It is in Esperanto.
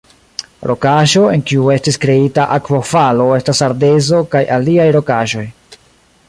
Rokaĵo en kiu estis kreita akvofalo estas ardezo kaj aliaj rokaĵoj.